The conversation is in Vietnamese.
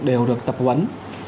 đều được tập huấn